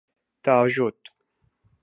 Te ajot.